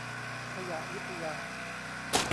ขยะวิทยา